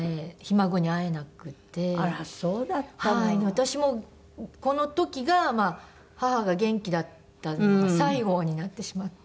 私もこの時が母が元気だったのが最後になってしまって。